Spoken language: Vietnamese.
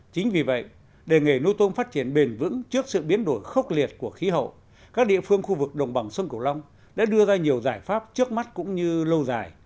chính vì vậy để nghề nuôi tôm phát triển bền vững trước sự biến đổi khốc liệt của khí hậu các địa phương khu vực đồng bằng sông cửu long đã đưa ra nhiều giải pháp trước mắt cũng như lâu dài